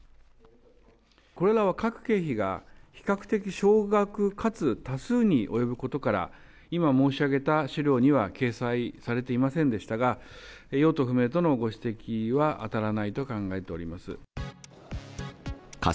これらは各経費が比較的少額かつ多数に及ぶことから、今申し上げた資料には掲載されていませんでしたが、用途不明とのご指摘は当たらないと考えております。